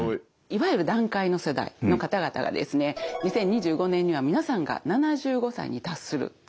いわゆる団塊の世代の方々がですね２０２５年には皆さんが７５歳に達するという年を迎えます。